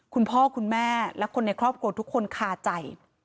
คุณพ่อคุณแม่และคนในครอบครัวทุกคนคาใจ